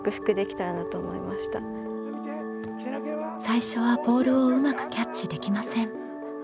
最初はボールをうまくキャッチできません。